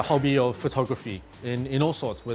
untuk fotografi di semua jenis